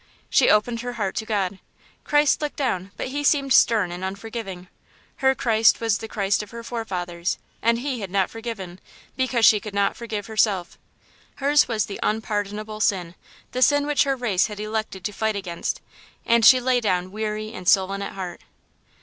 She opened her heart to God. Christ looked down, but he seemed stern and unforgiving. Her Christ was the Christ of her forefathers; and He had not forgiven, because she could not forgive herself. Hers was the unpardonable sin, the sin which her race had elected to fight against, and she lay down weary and sullen at heart.